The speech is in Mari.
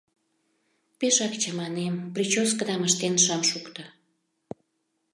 — Пешак чаманем, прическыдам ыштен шым шукто.